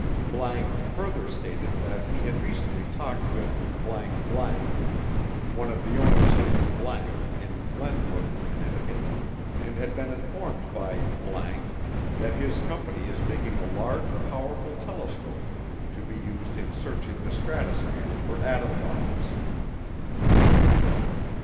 ____ further stated that he had recently talked with ________, one of the owners of ____ in Glenbrook, Connecticut, and had been informed by ____ that his company is making a large powerful telescope to be used in searching the stratosphere for atom bombs.